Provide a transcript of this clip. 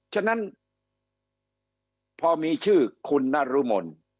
ฉะนั้นพอมีชื่อคุณนรมน